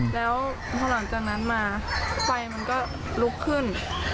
แล้วพอหลังจากนั้นมาไฟมันก็ลุกขึ้น